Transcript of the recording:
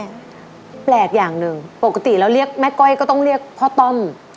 แปลกอย่างหนึ่งปกติแล้วเรียกแม่ก้อยก็ต้องเรียกพ่อต้อม